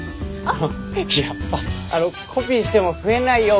あのコピーしても増えないよ